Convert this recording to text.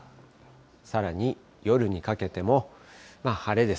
さらに夜にかけても晴れです。